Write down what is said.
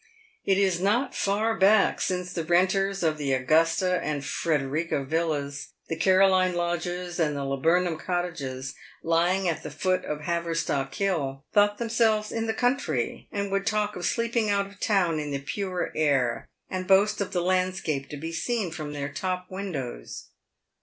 It is not far back since the renters of the Augusta and Frederika Villas, the Caroline Lodges, and the Laburnum Cottages, lying at the foot of Haverstock Hill, thought themselves in the country, and would talk of sleeping out of town in the pure air, and boast of the land scape to be seen from their top windows.